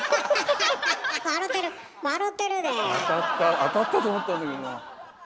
当たったと思ったんだけどな。